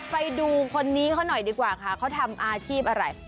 ไปดูคนนี้เขาหน่อยดีกว่าค่ะเขาทำอาชีพอะไร